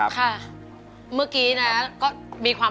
เช่นกัน